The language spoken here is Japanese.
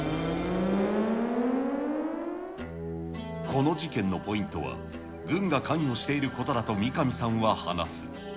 この事件のポイントは、軍が関与していることだと三上さんは話す。